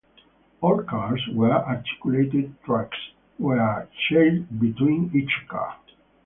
All cars were articulated-trucks were shared between each car.